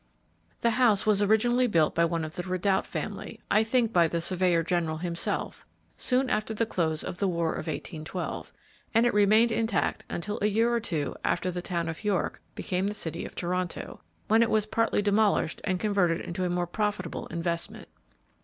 The house was originally built by one of the Ridout family I think by the Surveyor General himself soon after the close of the war of 1812, and it remained intact until a year or two after the town of York became the city of Toronto, when it was partly demolished and converted into a more profitable investment.